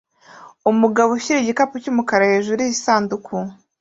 Umugabo ushyira igikapu cyumukara hejuru yisanduku